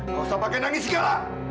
gak usah pakai nangis segala